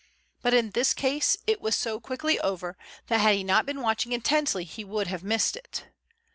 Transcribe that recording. But in this case it was so quickly over that had he not been watching intently he would have missed it.